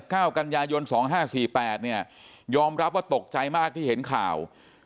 ข้าวกัญญายน๒๕๔๘ยอมรับว่าตกใจมากที่เห็นข่าว